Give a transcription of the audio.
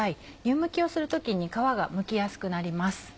湯むきをする時に皮がむきやすくなります。